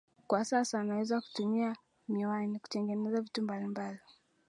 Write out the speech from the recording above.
Kwa sasa naweza kutumia mwani kutengeneza vitu mbalimbali